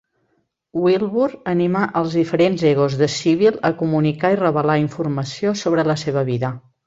Wilbur animà als diferents egos de Sybil a comunicar i revelar informació sobre la seva vida.